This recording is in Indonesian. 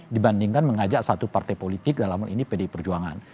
dibandingkan mengajak satu partai politik dalam hal ini pdi perjuangan